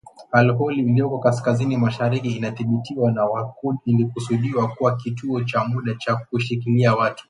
Al Hol iliyoko kaskazini mashariki inadhibitiwa na waKurd ilikusudiwa kuwa kituo cha muda cha kushikilia watu